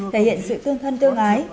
thể hiện sự tương thân tương ái